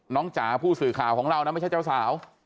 จ๋าผู้สื่อข่าวของเรานะไม่ใช่เจ้าสาว